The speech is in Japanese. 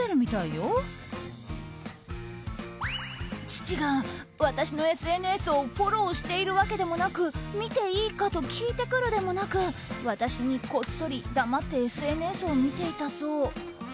父が私のＳＮＳをフォローしているわけでもなく見ていいかと聞いてくるでもなく私にこっそり黙ってＳＮＳを見ていたそう。